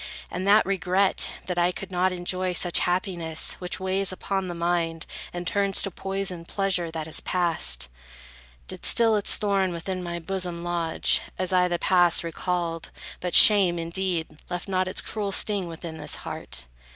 And that regret, that I could not enjoy Such happiness, which weighs upon the mind, And turns to poison pleasure that has passed, Did still its thorn within my bosom lodge, As I the past recalled; but shame, indeed, Left not its cruel sting within this heart.